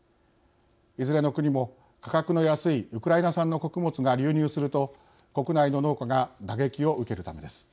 いずれの国も価格の安いウクライナ産の穀物が流入すると国内の農家が打撃を受けるためです。